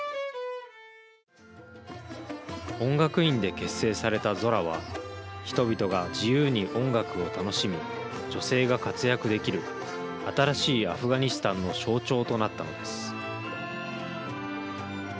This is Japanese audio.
音楽院で結成されたゾラは人々が自由に音楽を楽しみ女性が活躍できる新しいアフガニスタンの象徴となったのです。